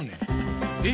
え？